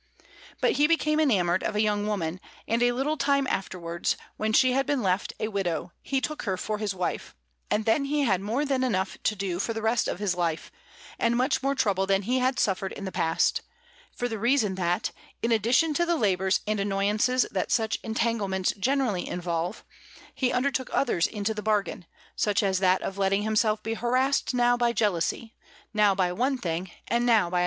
But he became enamoured of a young woman, and a little time afterwards, when she had been left a widow, he took her for his wife; and then he had more than enough to do for the rest of his life, and much more trouble than he had suffered in the past, for the reason that, in addition to the labours and annoyances that such entanglements generally involve, he undertook others into the bargain, such as that of letting himself be harassed now by jealousy, now by one thing, and now by another.